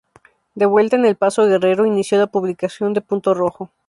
De vuelta en El Paso, Guerrero inició la publicación de "Punto Rojo".